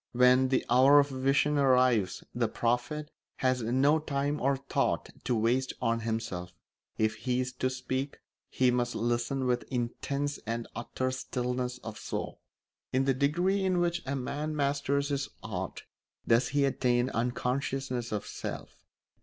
When the hour of vision arrives the prophet has no time or thought to waste on himself; if he is to speak, he must listen with intense and utter stillness of soul. In the degree in which a man masters his art does he attain unconsciousness of self.